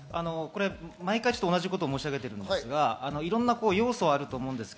毎回、同じことを申し上げていますが、いろんな要素があると思います。